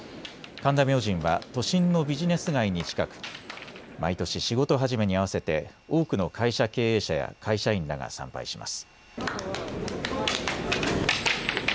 神田明神は都心のビジネス街に近く毎年、仕事始めに合わせて多くの会社経営者や会社員らが参拝します。